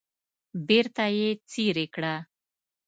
بیرته یې څیرې کړه.